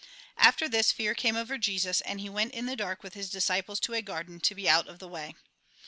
After this, fear came over Jesus, and he went in the dark with his disciples to a garden, to be out of the way.